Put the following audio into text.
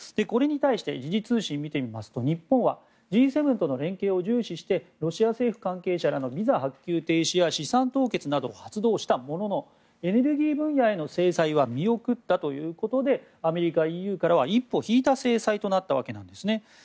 これに対して時事通信を見てみますと日本はＧ７との連携を重視してロシア政府関係者らへのビザ発給停止や資産凍結などを発動したもののエネルギー分野への制裁は見送ったということでアメリカ、ＥＵからは一歩引いた制裁となったわけなんですね。